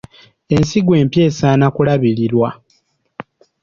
Ensigo empya esaana okulabirirwa.